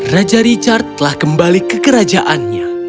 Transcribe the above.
raja richard telah kembali ke kerajaannya